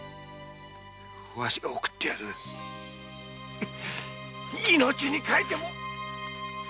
わしが送ってやる命に代えても。